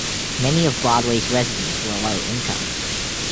Many of Broadway's residents were low-income.